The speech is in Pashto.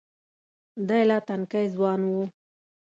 دی لا تنکی ځوان و.